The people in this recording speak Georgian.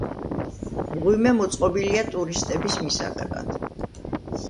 მღვიმე მოწყობილია ტურისტების მისაღებად.